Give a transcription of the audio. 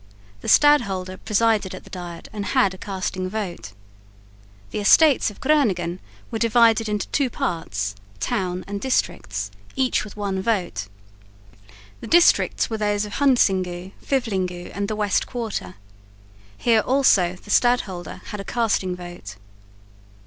The stadholder presided at the diet and had a casting vote. The Estates of Groningen were divided into two parts town and districts each with one vote. The districts were those of Hunsingoo, Fivelingoo and the West Quarter. Here also the stadholder had a casting vote.